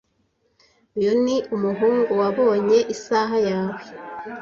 Uyu ni umuhungu wabonye isaha yawe.